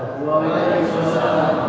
waalaikumsalam warahmatullahi wabarakatuh